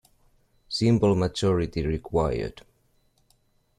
Simple Majority required.